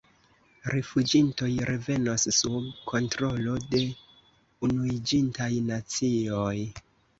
Rifuĝintoj revenos sub kontrolo de Unuiĝintaj Nacioj.